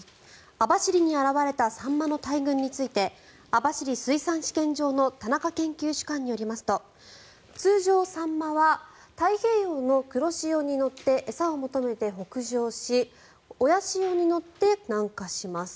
網走に現れたサンマの大群について網走水産試験場の田中研究主幹によりますと通常、サンマは太平洋の黒潮に乗って餌を求めて北上し親潮に乗って南下します。